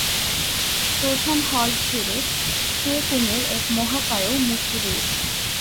প্রধান হল ঘরে Che Kung এর এক মহাকায় মূর্তি রয়েছে।